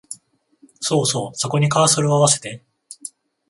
そうそう、そこにカーソルをあわせて